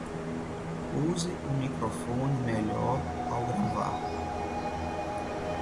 Use um microfone melhor ao gravar